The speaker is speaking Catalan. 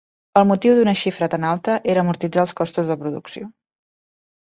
El motiu d'una xifra tan alta era amortitzar els costs de producció.